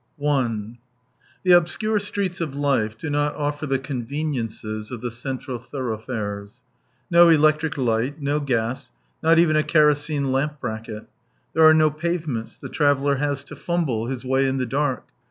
I The obscure streets of life do not offer the conveniences of the central thorough fares : no electric light, no gas, not even a kerosene lamp bracket. There are no pave ments : the traveller has to fumble his way in the dark.